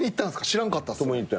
知らんかったっす。